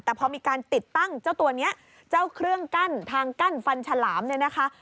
แต่พอมีการติดตั้งเจ้าตัวนี้เจ้าเครื่องกั้นทางกั้นฟันฉลามเนี่ยนะคะ